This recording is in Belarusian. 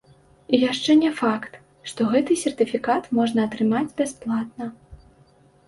І яшчэ не факт, што гэты сертыфікат можна атрымаць бясплатна.